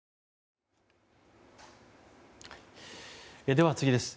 では次です。